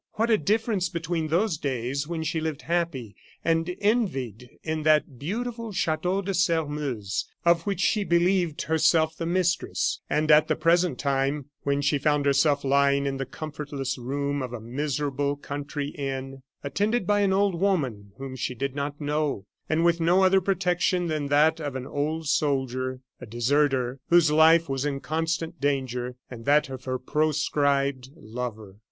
What a difference between those days when she lived happy and envied in that beautiful Chateau de Sairmeuse, of which she believed herself the mistress, and at the present time, when she found herself lying in the comfortless room of a miserable country inn, attended by an old woman whom she did not know, and with no other protection than that of an old soldier a deserter, whose life was in constant danger and that of her proscribed lover.